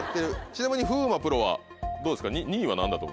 ちなみに風磨プロはどうですか？